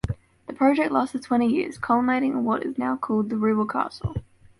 The project lasted twenty years, culminating in what is now called the "Rubel Castle".